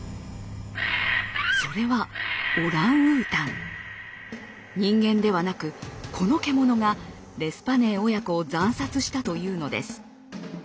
それは人間ではなくこの獣がレスパネー親子を惨殺したというのです。